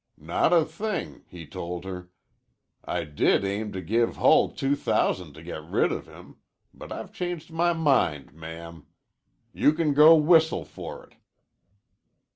'Not a thing,' he told her. 'I did aim to give Hull two thousand to get rid of him. But I've changed my mind, ma'am. You can go whistle for it.'"